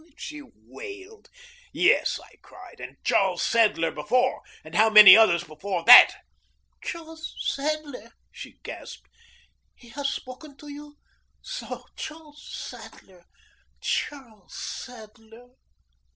she wailed. "Yes," I cried, "and Charles Sadler before. And how many others before that?" "Charles Sadler!" she gasped. "He has spoken to you? So, Charles Sadler, Charles Sadler!"